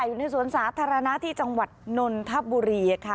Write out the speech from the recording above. อยู่ในสวนสาธารณะที่จังหวัดนนทบุรีค่ะ